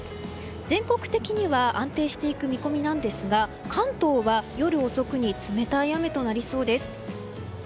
全国的には安定していく見込みなんですが関東は夜遅くに冷たい雨となりそうです。